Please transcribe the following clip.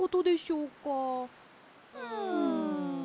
うん。